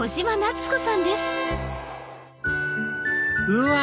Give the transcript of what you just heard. うわ！